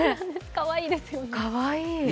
かわいいですよね。